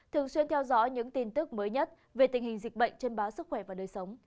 thường xuyên theo dõi những tin tức mới nhất về tình hình dịch bệnh trên báo sức khỏe và đời sống